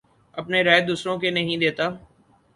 اپنے رائے دوسروں کے نہیں دیتا